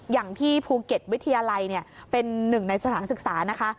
อย่างที่ภูเก็ตวิทยาลัยเป็นหนึ่งในสถานศึกษานะคะ